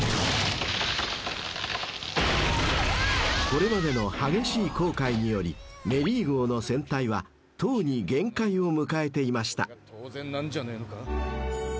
［これまでの激しい航海によりメリー号の船体はとうに限界を迎えていました］